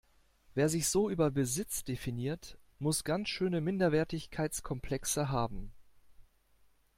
Wer sich so über Besitz definiert, muss ganz schöne Minderwertigkeitskomplexe haben.